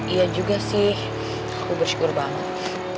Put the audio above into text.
iya juga sih aku bersyukur banget